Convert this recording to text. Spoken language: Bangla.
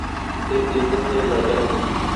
তিনি দুই পুত্রের জননী।